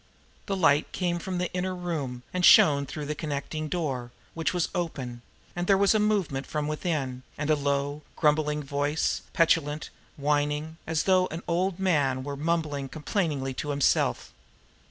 The light came from the inner room and shone through the connecting door, which was open, and there was movement from within, and a low, growling voice, petulant, whining, as though an old man were mumbling complainingly to himself.